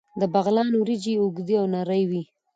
د بغلان وریجې اوږدې او نرۍ وي.